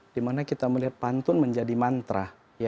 dimana kita melihat pantun menjadi mantra